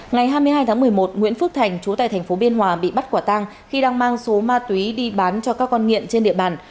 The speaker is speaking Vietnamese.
ngày hai mươi hai tháng một mươi một nguyễn phước thành chú tại thành phố biên hòa bị bắt quả tang khi đang mang số ma túy đi bán cho các con nghiện trên địa bàn